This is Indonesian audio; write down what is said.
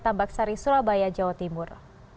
tambak sari surabaya jawa timur